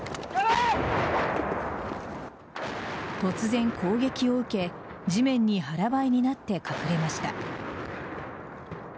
突然、攻撃を受け地面に腹ばいになって隠れました。